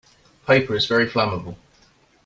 Paper is very flammable.